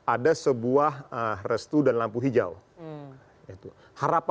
ada sebuah restu dan lampu hijau